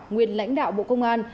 nguyên lãnh đạo bộ công an